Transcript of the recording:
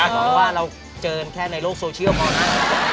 บอกว่าเราเจอแค่ในโลกโซเชียลพอนะ